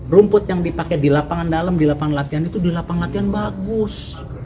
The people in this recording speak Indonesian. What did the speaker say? rumput yang dipakai di lapangan dalam di lapangan latihan itu di lapangan latihan bagus